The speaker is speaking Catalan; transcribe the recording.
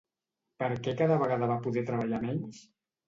Per què cada vegada va poder treballar menys?